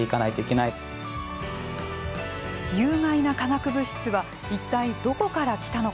有害な化学物質はいったいどこからきたのか。